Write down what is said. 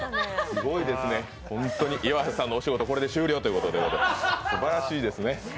すごいですね、岩橋さんのお仕事、これで終了ということですばらしいですね。